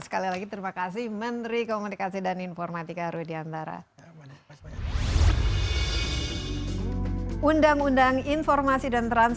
sekali lagi terima kasih menteri komunikasi dan informatika rudiantara